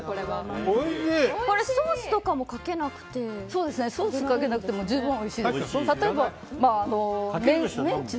ソースとかもかけなくてソースをかけなくても十分おいしいです。